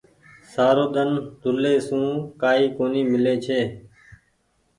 سارو ۮن رولي سون ڪآئي ڪونيٚ ميلي ڇي۔